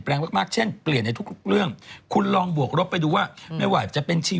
เค้าบอกเลยว่าคุณต้องระวัง